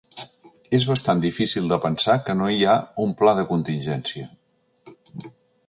És bastant difícil de pensar que no hi ha un pla de contingència.